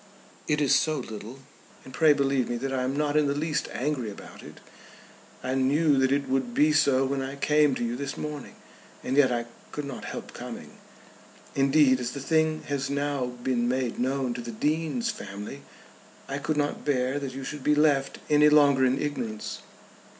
"It is so a little. And pray believe me that I am not in the least angry about it. I knew that it would be so when I came to you this morning; and yet I could not help coming. Indeed as the thing has now been made known to the Dean's family I could not bear that you should be left any longer in ignorance."